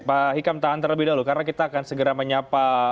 pak hikam tahan terlebih dahulu karena kita akan segera menyapa